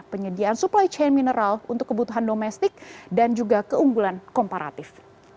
penyediaan supply chain mineral untuk kebutuhan domestik dan juga keunggulan komparatif